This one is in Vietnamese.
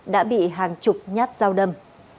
đã bị hàng chục nhát dao đâm